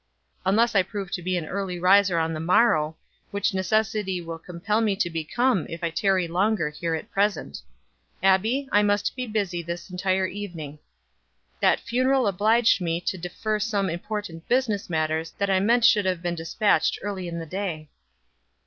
"Unless I prove to be an early riser on the morrow, which necessity will compel me to become if I tarry longer here at present. Abbie, I must be busy this entire evening. That funeral obliged me to defer some important business matters that I meant should have been dispatched early in the day."